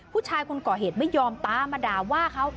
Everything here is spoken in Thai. ผู้ชายคนก่อเหตุไม่ยอมตามมาด่าว่าเขา